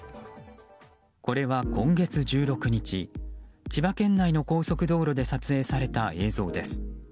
これは、今月１６日千葉県内の高速道路で撮影された映像です。